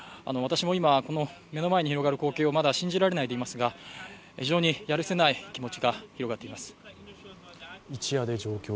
私も今、目の前に広がる光景をまだ信じられないでいますが、非常にやるせない気持ちが広がっています。